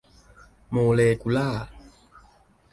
โมเลกุลาร์